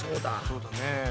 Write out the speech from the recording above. そうだね。